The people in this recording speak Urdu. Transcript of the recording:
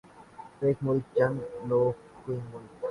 ایک مُلک چُن لو کوئی مُلک